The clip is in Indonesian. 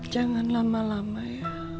jangan lama lama ya